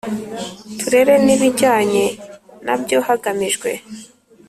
Turere n ibijyanye nabyo hagamijwe